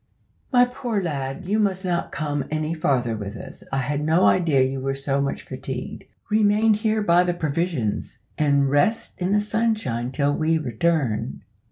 "My poor lad, you must not come any farther with us. I had no idea you were so much fatigued. Remain here by the provisions, and rest in the sunshine till we return."